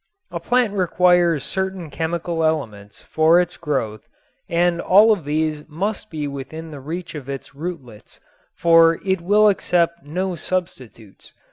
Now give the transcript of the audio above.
A plant requires certain chemical elements for its growth and all of these must be within reach of its rootlets, for it will accept no substitutes.